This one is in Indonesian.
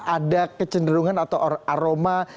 ada kecenderungan atau aroma